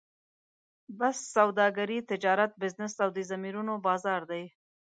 بس سوداګري، تجارت، بزنس او د ضمیرونو بازار دی.